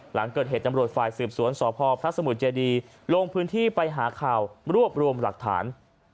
หลังเกิดเหตุจำรวจฝ่ายสืบสวนสพพระสมุทรเจดีลงพื้นที่ไปหาข่าวรวบรวมหลักฐาน